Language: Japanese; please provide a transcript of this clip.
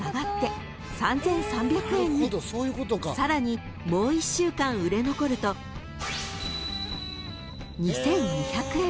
［さらにもう１週間売れ残ると２，２００円］